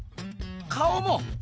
顔も？